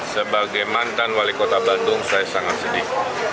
sebagai mantan wali kota bandung saya sangat sedih